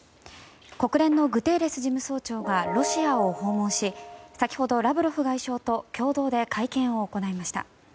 国連のグテーレス事務総長がロシアを訪問し先ほど、ラブロフ外相と共同で会見を行いました。